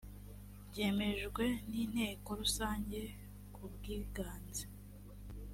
byemejwe n inteko rusange ku bwiganze